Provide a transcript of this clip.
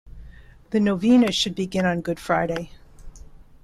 The novena should begin on Good Friday.